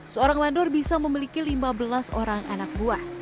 seorang mandor bisa memiliki lima belas orang anak buah